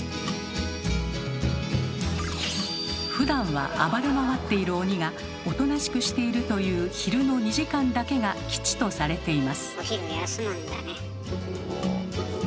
ふだんは暴れ回っている鬼がおとなしくしているという昼の２時間だけが吉とされています。